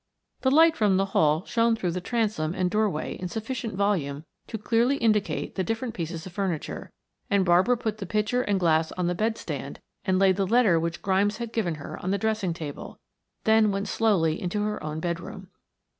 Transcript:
The light from the hall shone through the transom and doorway in sufficient volume to clearly indicate the different pieces of furniture, and Barbara put the pitcher and glass on the bed stand and laid the letter which Grimes had given her on the dressing table, then went slowly into her own bedroom.